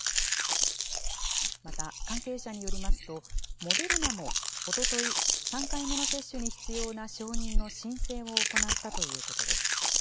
また、関係者によりますと、モデルナも、おととい、３回目の接種に必要な承認の申請を行ったということです。